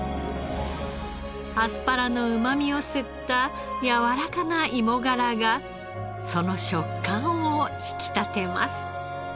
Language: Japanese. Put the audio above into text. アスパラのうまみを吸ったやわらかな芋がらがその食感を引き立てます。